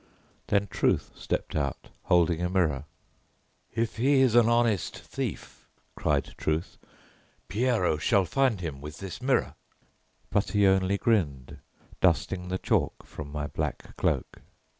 Then Truth stepped out, holding a mirror. "If he is an honest thief," cried Truth, "Pierrot shall find him with this mirror!" but he only grinned, dusting the chalk from my black cloak.